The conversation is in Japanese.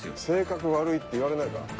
「性格悪いって言われないか？」